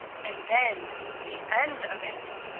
And then the end of it!